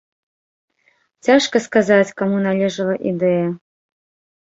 Цяжка сказаць, каму належала ідэя.